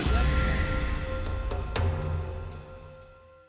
polikarpus bebas murni